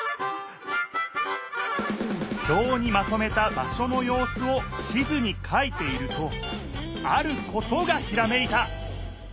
ひょうにまとめた場所のようすを地図にかいているとあることがひらめいた！